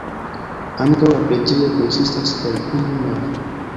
Ankaŭ la preĝejo konsistas el unu navo.